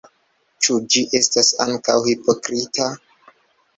Ĉu ĝi estas ankaŭ hipokrita?